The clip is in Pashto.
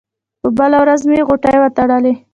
په بله ورځ مې غوټې وتړلې.